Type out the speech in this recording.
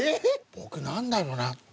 僕なんだろうな？